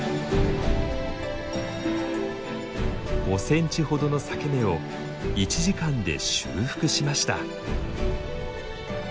５センチほどの裂け目を１時間で修復しました。